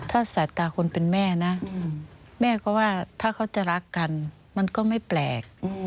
ถ้าสายตาคนเป็นแม่นะแม่ก็ว่าถ้าเขาจะรักกันมันก็ไม่แปลก